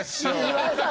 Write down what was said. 岩井さん。